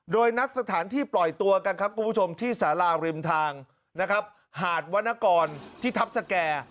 โดยนัดสถานที่ปล่อยตัวกันครับคุณผู้ชมที่สาราริมทางนะครับหาดวรรณกรที่ทัพสแก่